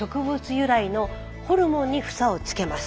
由来のホルモンに房をつけます。